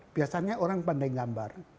biasanya orang pandai menggambar